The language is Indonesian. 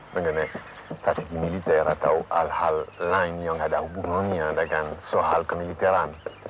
mengenai target militer atau hal hal lain yang ada hubungannya dengan soal kemiliteran